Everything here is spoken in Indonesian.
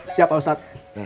siap pak mustaq